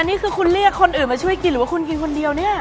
นี่คือคุณเรียกคนอื่นมาช่วยกินหรือว่าคุณกินคนเดียวเนี่ย